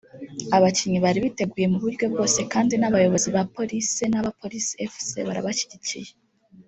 abakinnyi bariteguye mu buryo bwose kandi n’abayobozi ba Police n’aba Police Fc barabashyigikiye"